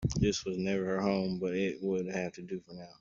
This was never her home, but it would have to do for now.